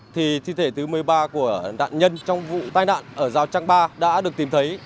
thì thi thể thứ một mươi ba của nạn nhân trong vụ tai nạn ở rào trang ba đã được tìm thấy